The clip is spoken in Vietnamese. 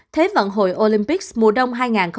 thế vận hội olympic mùa đông hai nghìn hai mươi